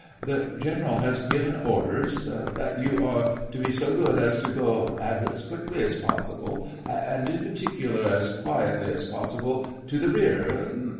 "The general has given orders ... that you ... are to be so good as to go ... as quickly as possible ... and, in particular, as quietly as possible, to the rear